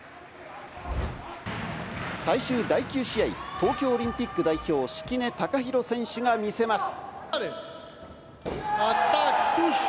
最終第９試合、東京オリンピック代表・敷根崇裕選手が見せます！